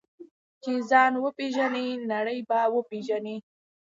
چې ځان وپېژنې، نړۍ به وپېژنې.